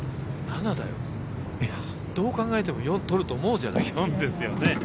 どう考えても４取ると思うじゃない。